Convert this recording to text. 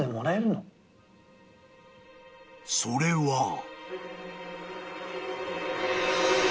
［それは］